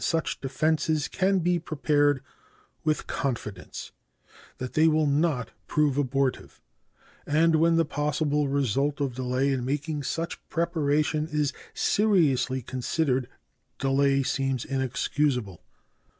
The time has now come when such defenses can be prepared with confidence that they will not prove abortive, and when the possible result of delay in making such preparation is seriously considered delay seems inexcusable.